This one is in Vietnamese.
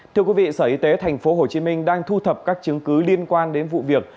thưa quý vị sở y tế tp hcm đang thu thập các chứng cứ liên quan đến vụ việc